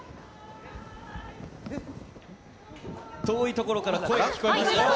遠い所から声が聞こえました。